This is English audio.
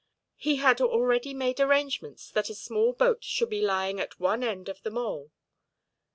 He had already made arrangements that a small boat should be lying at one end of the mole.